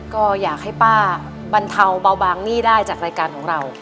ก็อยากให้ป้าบรรเทาเบาบางหนี้ได้จากรายการของเรา